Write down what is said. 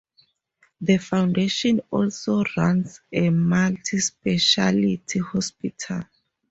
The foundation also runs a Multi Speciality Hospital.